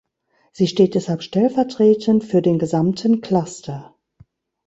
Sie steht deshalb stellvertretend für den gesamten Cluster.